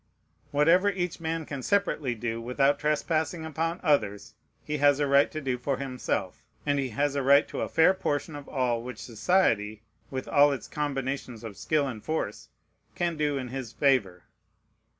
Whatever each man can separately do, without trespassing upon others, he has a right to do for himself; and he has a right to a fair portion of all which society, with all its combinations of skill and force, can do in his favor.